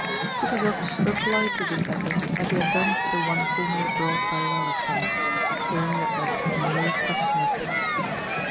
Kutúzov replied to this letter as he had done to the one formerly brought by Lauriston, saying that there could be no question of peace.